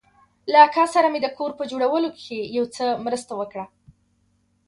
له اکا سره مې د کور په جوړولو کښې يو څه مرسته وکړه.